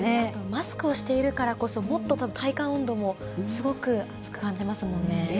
マスクをしているからこそ、もっと体感温度もすごく暑く感じますもんね。